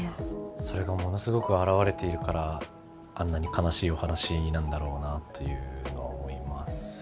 それがものすごく表れているからあんなに悲しいお話なんだろうなというのは思いますね。